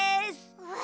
うわ！